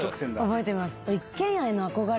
覚えてます。